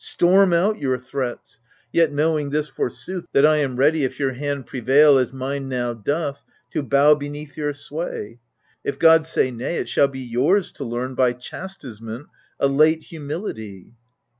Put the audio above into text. Storm out your threats, yet knowing this for sooth, That I am ready, if your hand prevail As mine now doth, to bow beneath your sway : If God say nay, it shall be yours to learn By chastisement a late humility.